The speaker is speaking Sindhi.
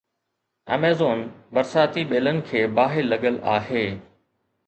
Amazon برساتي ٻيلن کي باهه لڳل آهي.